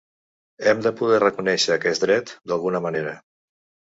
Hem de poder reconèixer aquest dret d’alguna manera.